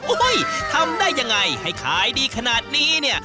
โอ้โฮยทำได้อย่างไรให้ขายดีขนาดนี้เนี่ย